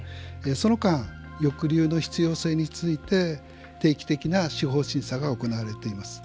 その間、抑留の必要性について定期的な司法審査が行われています。